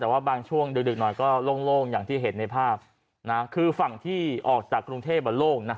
แต่ว่าบางช่วงดึกหน่อยก็โล่งอย่างที่เห็นในภาพคือฝั่งที่ออกจากกรุงเทพโล่งนะ